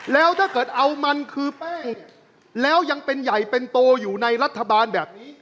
แล้วถ้าเกิดเอามันคือแป้งแล้วยังเป็นใหญ่เป็นโตอยู่ในรัฐบาลแบบนี้